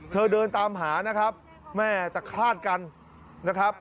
เดินตามหานะครับแม่จะคลาดกันนะครับ